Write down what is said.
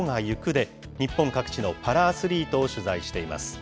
で、日本各地のパラアスリートを取材しています。